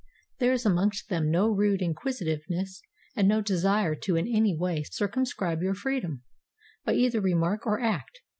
There is amongst them no rude inquisitiveness and no desire to in any way circumscribe your freedom, by either remark or act.